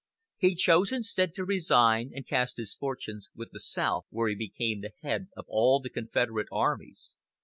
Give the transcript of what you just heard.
He chose instead to resign and cast his fortunes with the South, where he became the head of all the Confederate armies.